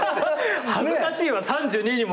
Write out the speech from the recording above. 恥ずかしいわ３２にもなって。